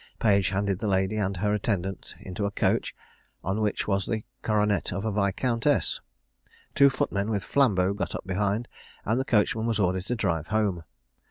Page handed the lady and her attendant into a coach, on which was the coronet of a viscountess. Two footmen with flambeaux got up behind, and the coachman was ordered to drive home.